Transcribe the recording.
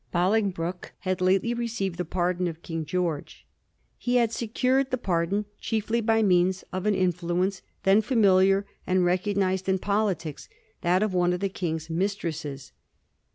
Bolingbroke had lately received the pardon of King George. He had secured the pardon chiefly by means of an influence then familiar and recognised in politics — that of one of the King's mistresses.